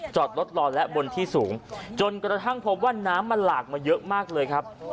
จอดรถรอและบนที่สูงจนกระทั่งพบว่าน้ำมันหลากมาเยอะมากเลยครับ